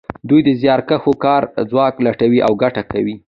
دوی د زیارکښو کاري ځواک لوټوي او ګټه کوي